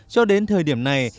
cho đến thời điểm này